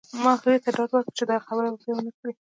ما هغې ته ډاډ ورکړ چې دا خبره بیا ونه کړې